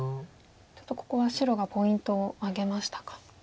ちょっとここは白がポイントを挙げましたか。